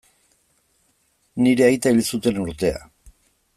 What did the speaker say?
Nire aita hil zuten urtea.